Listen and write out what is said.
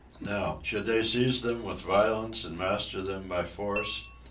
Now, should they seize them with violence and master them by force?